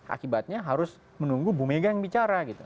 akibatnya harus menunggu bumega yang bicara